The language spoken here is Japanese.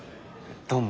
どうも。